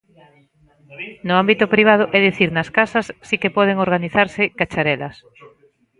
No ámbito privado, é dicir, nas casas, si que poden organizarse cacharelas.